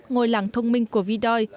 ngôi làng thông minh của việt nam